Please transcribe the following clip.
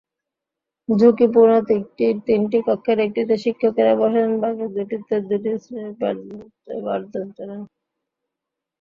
ঝুঁকিপূর্ণ তিনটি কক্ষের একটিতে শিক্ষকেরা বসেন, বাকি দুটিতে দুটি শ্রেণির পাঠদান চলে।